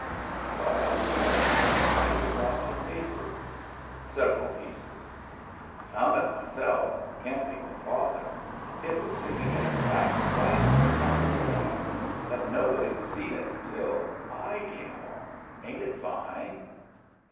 He brought out the relic, tightly wrapped in paper, several pieces. "I foun' it myself, camping with father. It was sticking in a crack right on top of a rock, but nobody'd seen it till I came along. Ain't it fine?"